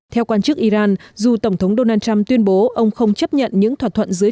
theo quan chức iran dù tổng thống donald trump tuyên bố ông không chấp nhận những thỏa thuận dưới